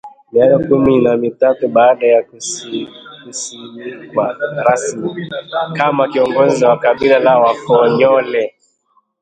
Miaka kumi na mitatu baada ya kusimikwa rasmi kama kiongozi wa kabila la Wakonyole